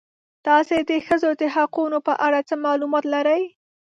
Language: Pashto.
تاسې د ښځو د حقونو په اړه څه معلومات لرئ؟